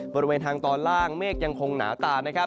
บริเวณทางตอนล่างเมฆยังคงหนาตา